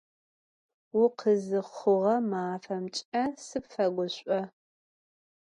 Vukhızıxhuğe mafemç'e sıpfeguş'o!